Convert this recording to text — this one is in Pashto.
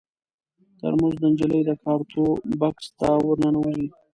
ترموز د نجلۍ د کارتو بکس ته ور ننوځي.